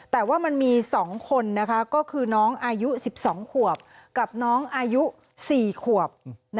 แต่ว่ามันมี๒คนก็คือน้องอายุ๑๒ขวบกับน้องอายุ๔ขวบ